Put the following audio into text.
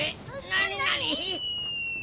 なになに？